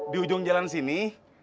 di ujung jalan sini